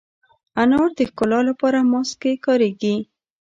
انار د ښکلا لپاره ماسک کې کارېږي.